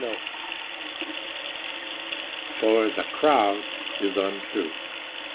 [Note 3] For "the crowd" is untruth.